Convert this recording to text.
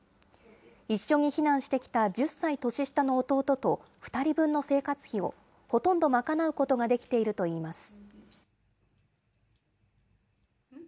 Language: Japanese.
一緒に避難してきた１０歳年下の弟と、２人分の生活費をほとんど賄うことができているといいます。